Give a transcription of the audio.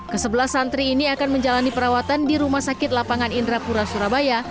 kesebelah santri ini akan menjalani perawatan di rumah sakit lapangan indrapura surabaya